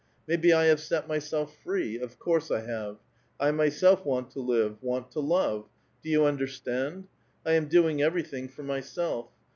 Maybe I have set myself free ; of course, I have. I myself want to live, want to love; do you understand? I •am doing everything for myself.